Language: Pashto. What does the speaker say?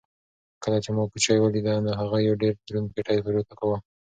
کله چې ما کوچۍ ولیده نو هغې یو ډېر دروند پېټی پورته کاوه.